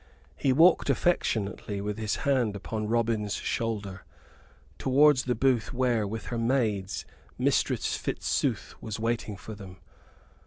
He walked affectionately, with his hand upon Robin's shoulder, towards the booth where, with her maids, Mistress Fitzooth was waiting for them.